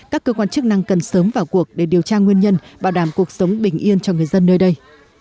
các cơ quan chức năng cần sớm vào cuộc để điều tra nguyên nhân bảo đảm cuộc sống bình yên cho người dân nơi đây